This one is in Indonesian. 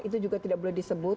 itu juga tidak boleh disebut